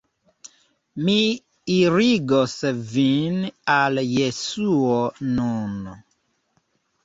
Mi irigos vin al Jesuo nun.